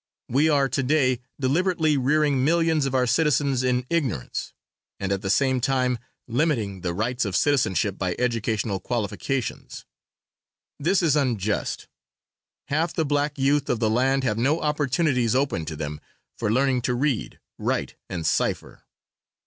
"We are to day deliberately rearing millions of our citizens in ignorance, and at the same time limiting the rights of citizenship by educational qualifications. This is unjust. Half the black youth of the land have no opportunities open to them for learning to read, write and cipher.